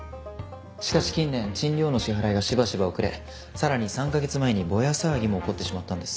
しかし近年賃料の支払いがしばしば遅れさらに３カ月前にボヤ騒ぎも起こってしまったんです。